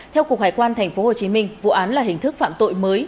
theo cục hải quan tp hcm vụ án là hình thức phạm tội mới